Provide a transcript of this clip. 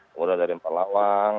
kemudian dari empat lawang